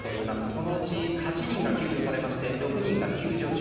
そのうち８人が救助されまして６人が救助中。